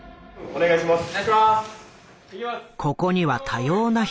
お願いいたします。